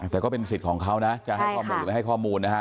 แต่ก็เป็นสิทธิ์ของเขานะจะให้ข้อมูลหรือไม่ให้ข้อมูลนะฮะ